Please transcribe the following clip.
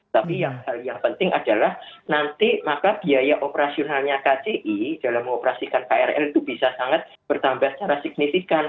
tapi yang hal yang penting adalah nanti maka biaya operasionalnya kci dalam mengoperasikan krl itu bisa sangat bertambah secara signifikan